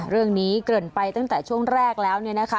เรื่องนี้เกริ่นไปตั้งแต่ช่วงแรกแล้ว